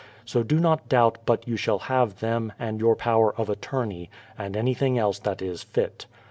So do not doubt but you shall have them, and your power of attorney, and anything else that is fit.